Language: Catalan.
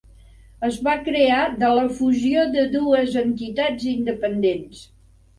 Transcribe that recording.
Es va crear de la fusió de dues entitats independents.